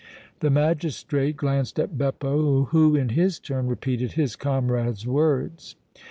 The magistrate glanced at Beppo who in his turn repeated his comrade's words.